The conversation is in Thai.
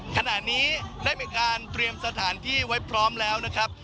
ขณะนี้ได้มีการเตรียมสถานที่ไว้พร้อมแล้วนะครับ